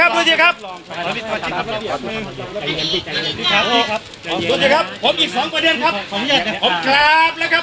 ครับดูสิครับผมอีกสองประเด็นครับผมกราบแล้วครับ